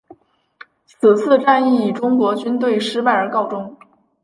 此次战役以中国军队失败而告终。